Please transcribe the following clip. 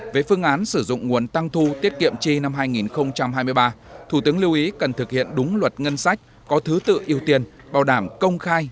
về phương án sử dụng nguồn tăng thu tiết kiệm chi năm hai nghìn hai mươi ba thủ tướng lưu ý cần thực hiện đúng luật ngân sách có thứ tự ưu tiên bảo đảm công khai